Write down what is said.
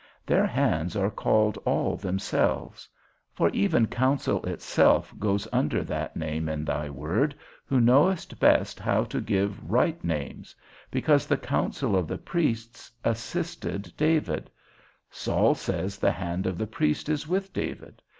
Their hands are called all themselves; for even counsel itself goes under that name in thy word, who knowest best how to give right names: because the counsel of the priests assisted David, Saul says the hand of the priest is with David.